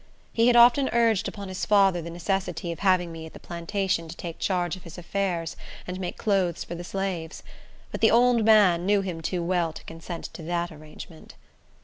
He had often urged upon his father the necessity of having me at the plantation to take charge of his affairs, and make clothes for the slaves; but the old man knew him too well to consent to that arrangement.